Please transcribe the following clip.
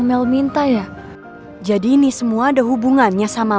gimana caranya biar putri bisa ngerti dan mau ngelakuin hal ini